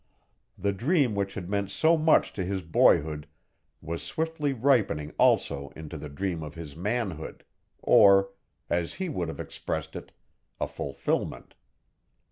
The dream which had meant so much to his boyhood was swiftly ripening also into the dream of his manhood, or, as he would have expressed it, a fulfillment.